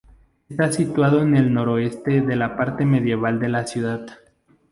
Está situado en el noroeste de la parte medieval de la ciudad.